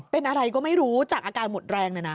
เป็นอะไรก็ไม่รู้จากอาการหมดแรงเลยนะ